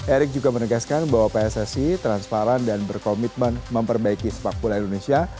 erick juga menegaskan bahwa pssi transparan dan berkomitmen memperbaiki sepak bola indonesia